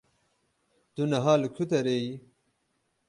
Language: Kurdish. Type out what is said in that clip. Tu niha li ku derê yî?